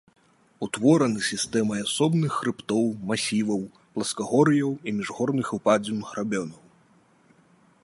Утвораны сістэмай асобных хрыбтоў, масіваў, пласкагор'яў і міжгорных упадзін-грабенаў.